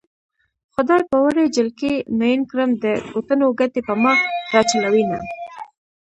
خدای په وړې جلکۍ مئين کړم د کوټنو ګټې په ما راچلوينه